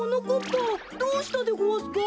ぱどうしたでごわすか？